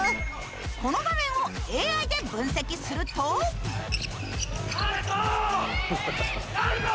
この場面をＡＩで分析するとなな子なな子！